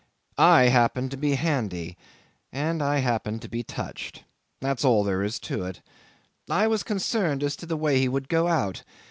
I happened to be handy, and I happened to be touched. That's all there is to it. I was concerned as to the way he would go out.